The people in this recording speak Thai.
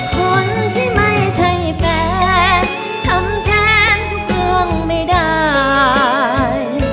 คนที่ไม่ใช่แฟนทำแทนทุกเรื่องไม่ได้